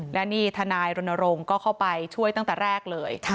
และนี่ทนายรณรงค์ก็เข้าไปช่วยตั้งแต่แรกเลย